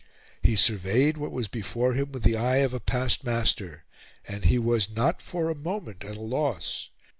He surveyed what was before him with the eye of a past master; and he was not for a moment at a loss.